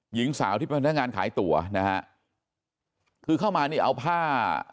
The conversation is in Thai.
หญิงสาวที่เป็นพนักงานขายตั๋วนะฮะคือเข้ามานี่เอาผ้า